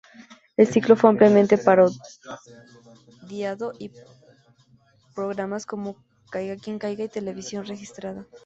El ciclo fue ampliamente parodiado por programas como "Caiga quien caiga" y "Televisión registrada".